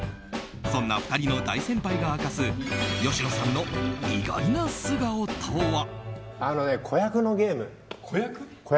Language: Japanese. そんな２人の大先輩が明かす吉野さんの意外な素顔とは。